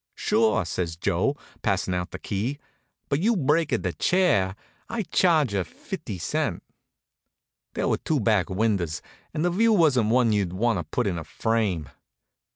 "Sure!" said Joe, passing out the key, "but you breaka da chair I charga feefty cent." There were two back windows and the view wasn't one you'd want to put in a frame.